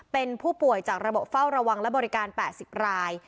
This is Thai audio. เป็นผู้ป่วยจากระบบเฝ้าระวังและบริการ๘๐ราย